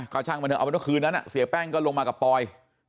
เอาไปเมื่อคืนนั้นเสียแป้งก็ลงมากับปอย